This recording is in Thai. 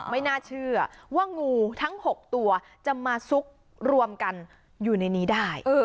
ไม่น่าเชื่อว่างูทั้ง๖ตัวจะมาซุกรวมกันอยู่ในนี้ได้